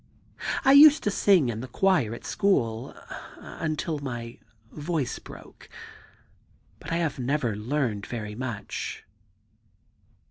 ... I used to sing in the choir at school until my voice broke ; but I have never learned very much.'